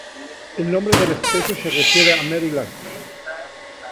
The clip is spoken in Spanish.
El nombre de la especie se refiere a Maryland.